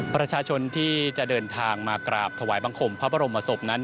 ประชาชนที่จะเดินทางมากราบถวายบังคมพระบรมศพนั้น